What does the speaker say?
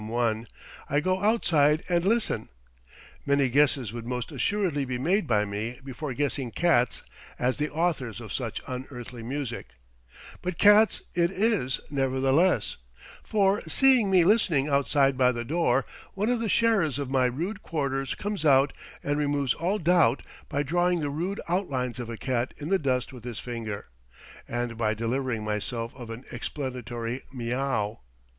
I), I go outside and listen. Many guesses would most assuredly be made by me before guessing cats as the authors of such unearthly music; but cats it is, nevertheless; for, seeing me listening outside by the door, one of the sharers of my rude quarters comes out and removes all doubt by drawing the rude outlines of a cat in the dust with his finger, and by delivering himself of an explanatory "meow."